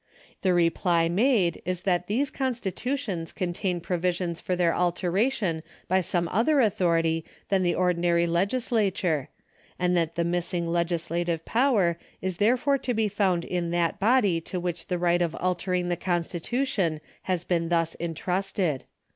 The reply made is that these constitutions contain pro visions for their alteration by some other authority than the ordinary legislature, and that the missing legislative power is therefore to be found in that body to which the right of altering the constitution has been thus entrusted.